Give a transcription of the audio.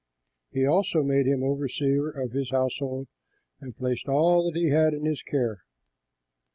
He also made him overseer of his household and placed all that he had in his care.